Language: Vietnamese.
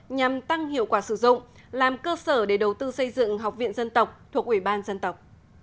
nhằm tăng hiệu quả sử dụng làm cơ sở để đầu tư xây dựng học viện dân tộc thuộc ủy ban dân tộc